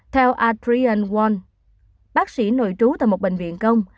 theo adrian wong bác sĩ nội trú tại một bệnh viện công